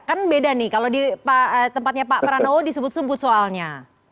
kan beda nih kalau di tempatnya pak pranowo disebut sebut soalnya